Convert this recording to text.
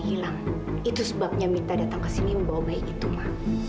iya tau lah ma